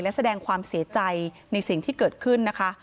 และแสดงความเสียใจในสิ่งที่เกิดขึ้นนะคะ